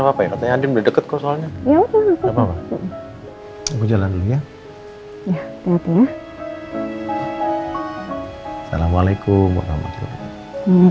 enggak apa apa ya udah deket kok soalnya ya aku jalan ya ya assalamualaikum warahmatullah